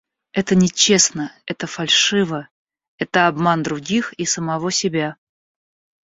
Это нечестно, это фальшиво, это обман других и самого себя.